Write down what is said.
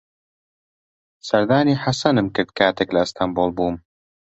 سەردانی حەسەنم کرد کاتێک لە ئەستەنبوڵ بووم.